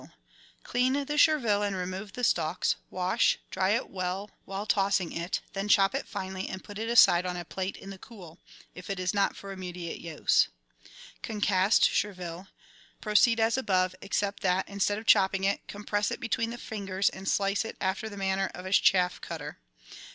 — Clean the chervil and remove the stalks ; wash, dry it well while tossing it, then chop it finely and put it aside on a plate in the cool, if it is not for immediate use. Concussed Chervil. — Proceed as above, except that, instead of chopping it, compress it between the fingers and slice it after the manner of a chaff cutter.